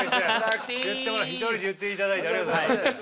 １人で言っていただいてありがとうございます。